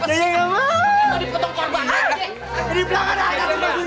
ini mau dipotong korban